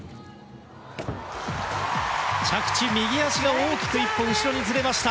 着地、右足が大きく１歩後ろにずれました。